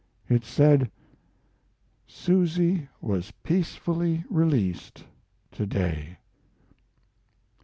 It said, "Susy was peacefully released to day."